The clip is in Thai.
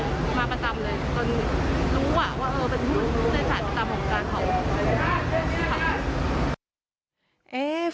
จนรู้ว่าเราเป็นผู้ในศาลประจำของการเขา